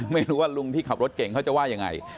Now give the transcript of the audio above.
ไม่รู้ว่าลุงที่ขับรถเก่งเขาจะว่ายังไง